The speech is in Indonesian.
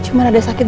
jangan aku hari main